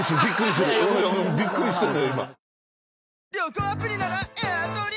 びっくりしてる。